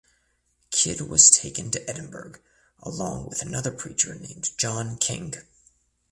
Kid was taken to Edinburgh along with another preacher named John King.